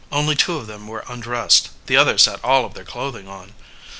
Only two of them were undressed; the others had all of their clothing on.